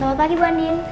selamat pagi bu andien